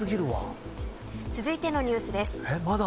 続いてのニュースです。